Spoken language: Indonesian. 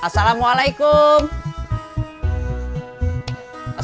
saya mau berubah